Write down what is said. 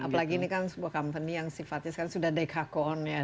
apalagi ini kan sebuah company yang sifatnya sekarang sudah dekacorn ya